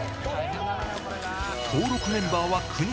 登録メンバーは９人。